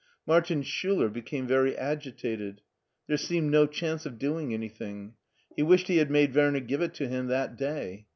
Martin Schuler became very agitated. There seemed no chance of doing any thing. He wished he had made Werner give it to him that day.